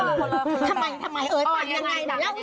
ทำไมเอิร์ทตัยยังไง